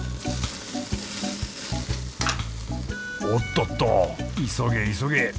おっとっと急げ急げ！